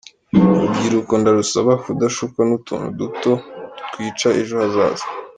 urubyiruko ndarusaba kudashukwa n’utuntu doto twica ejo hazaza.